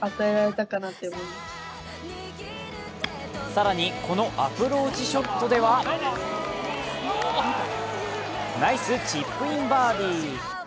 更に、このアプローチショットではナイスチップインバーディー。